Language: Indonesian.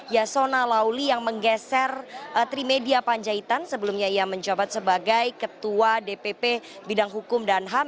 yasona lauli yang menggeser trimedia panjaitan sebelumnya ia menjabat sebagai ketua dpp bidang hukum dan ham